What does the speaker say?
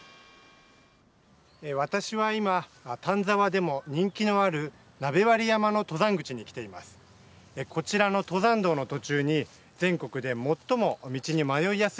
私は今、丹沢でも人気のある鍋割山の登山口に来ています。